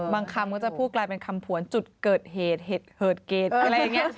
คำก็จะพูดกลายเป็นคำผวนจุดเกิดเหตุเหตุเกรดอะไรอย่างนี้